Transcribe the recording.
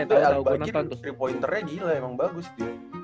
alibagir tiga pointernya gila emang bagus tuh